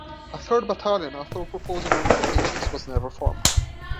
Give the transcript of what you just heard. A third battalion, although proposed on a number of occasions, was never formed.